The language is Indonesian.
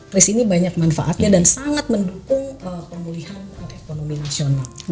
kris ini banyak manfaatnya dan sangat mendukung pemulihan ekonomi nasional